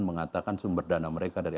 mengatakan sumber dana mereka dari